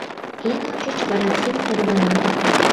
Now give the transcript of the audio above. Эн ончыч вараксим тарвана.